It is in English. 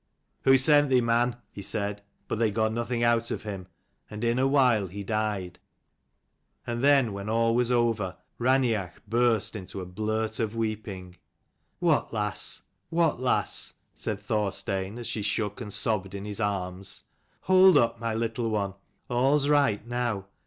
"Who sent thee, man?" he said. But they got nothing out of him, and in a while he died. And then, when all was over, Raineach burst into a blurt of weeping. "What, lass! what, lass!" said Thorstein, as she shook and sobbed in his arms; "hold up, my little one; all's right now.